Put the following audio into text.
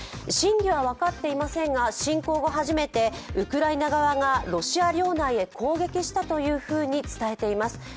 真偽は分かっていませんが、侵攻後初めてウクライナ側がロシア領内へ攻撃したというふうに伝えています。